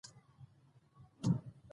د غنمو پټي ډېر ښکلي ښکاري.